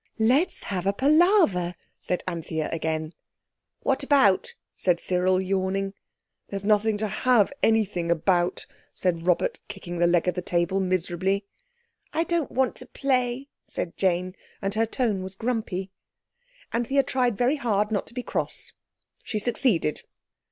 "Let's have a palaver," said Anthea again. "What about?" said Cyril, yawning. "There's nothing to have anything about," said Robert kicking the leg of the table miserably. "I don't want to play," said Jane, and her tone was grumpy. Anthea tried very hard not to be cross. She succeeded.